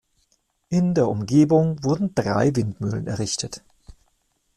In der Umgebung wurden drei Windmühlen errichtet.